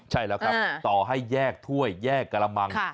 ใช่แล้วครับต่อให้แยกถ้วยแยกกระมัง